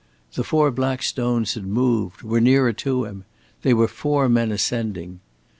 The four black stones had moved, were nearer to him they were four men ascending.